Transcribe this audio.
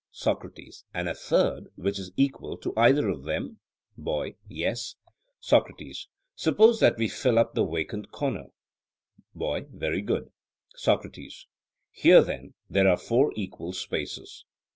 SOCRATES: And a third, which is equal to either of them? BOY: Yes. SOCRATES: Suppose that we fill up the vacant corner? BOY: Very good. SOCRATES: Here, then, there are four equal spaces?